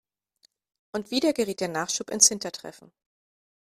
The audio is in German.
Und wieder gerät der Nachschub ins Hintertreffen.